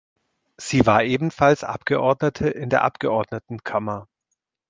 Sie war ebenfalls Abgeordnete in der Abgeordnetenkammer.